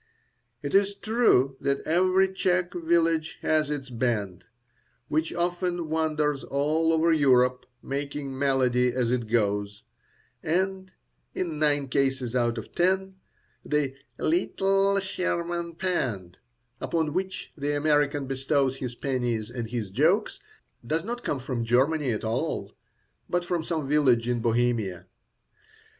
It is true that every Czech village has its band, which often wanders all over Europe, making melody as it goes; and, in nine cases out of ten, the "Leetle Sherman pand" upon which the American bestows his pennies and his jokes does not come from Germany at all, but from some village in Bohemia.